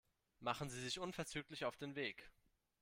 Machen Sie sich unverzüglich auf den Weg.